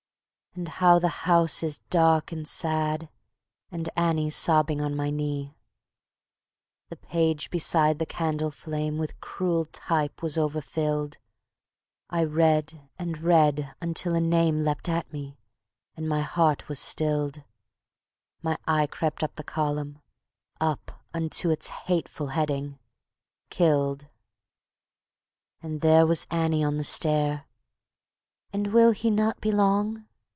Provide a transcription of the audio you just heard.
And how the house is dark and sad, And Annie's sobbing on my knee! The page beside the candle flame With cruel type was overfilled; I read and read until a name Leapt at me and my heart was stilled: My eye crept up the column up Unto its hateful heading: Killed. And there was Annie on the stair: "And will he not be long?"